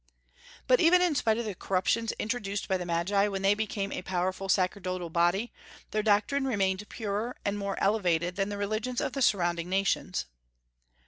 But even in spite of the corruptions introduced by the Magi when they became a powerful sacerdotal body, their doctrine remained purer and more elevated than the religions of the surrounding nations.